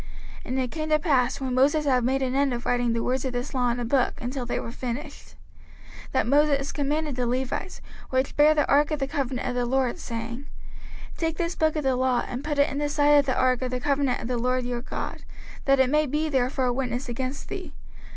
05:031:024 And it came to pass, when Moses had made an end of writing the words of this law in a book, until they were finished, 05:031:025 That Moses commanded the Levites, which bare the ark of the covenant of the LORD, saying, 05:031:026 Take this book of the law, and put it in the side of the ark of the covenant of the LORD your God, that it may be there for a witness against thee.